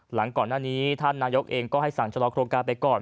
หลังก่อนหน้านี้ท่านนายกเองก็ให้สั่งชะลอโครงการไปก่อน